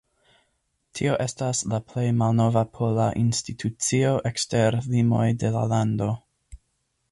Tio estas la plej malnova pola institucio ekster limoj de la lando.